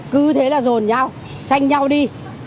cứ thế là rồn nhau tranh nhau đi